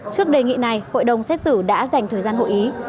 trước đề nghị này hội đồng xét xử đã dành thời gian hội ý